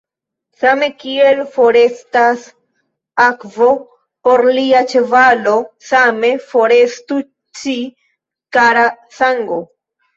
Same kiel forestas akvo por lia ĉevalo, same forestu ci, kara sango!